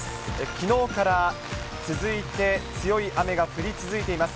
きのうから続いて、強い雨が降り続いています。